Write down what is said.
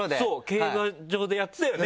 競馬場でやってたよね？